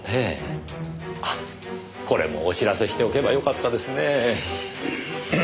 あっこれもお知らせしておけばよかったですねぇ。